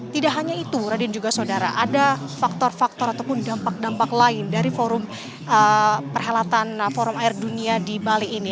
tidak hanya itu raden juga saudara ada faktor faktor ataupun dampak dampak lain dari forum perhelatan forum air dunia di bali ini